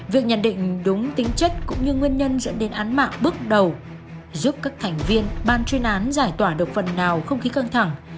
việc nhận định đúng tính chất cũng như nguyên nhân dẫn đến án mạng bước đầu giúp các thành viên ban chuyên án giải tỏa được phần nào không khí căng thẳng